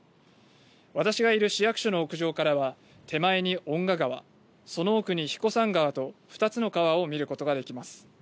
私がいる市役所の屋上からは手前に女川その奥に彦山川と２つの川を見ることができます。